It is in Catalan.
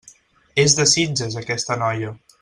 És de Sitges, aquesta noia.